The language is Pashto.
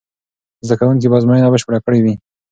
زده کوونکي به ازموینه بشپړه کړې وي.